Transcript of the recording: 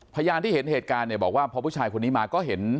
พยานที่เห็นเหตุการณ์เนี่ยบอกว่าพอผู้ชายคนนี้มาก็เห็น